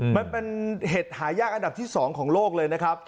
มันเป็นเห็ดหายากอันดับที่๒ของโลกเลยนะครับ